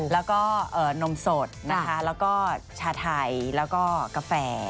แล้วก็นมสดนะคะแล้วก็ชาไทยแล้วก็กาแฟ